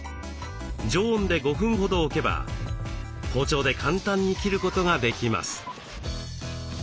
常温で５分ほど置けば包丁で簡単に切ることができます。